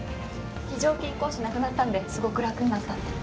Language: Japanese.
非常勤講師なくなったのですごく楽になったって。